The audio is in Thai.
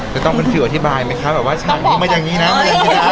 จะต้องเป็นฟิลอธิบายไหมคะแบบว่าฉากนี้มันอย่างนี้นะ